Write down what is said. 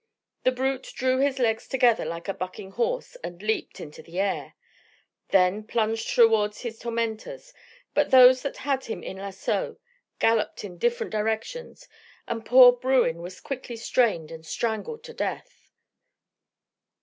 The brute drew his legs together like a bucking horse and leaped into the air, then plunged toward his tormentors; but those that had him in lasso galloped in different directions, and poor bruin was quickly strained and strangled to death.